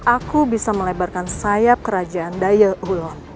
aku bisa melebarkan sayap kerajaan dayakulon